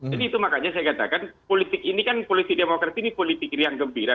jadi itu makanya saya katakan politik ini kan politik demokrati ini politik riang gembira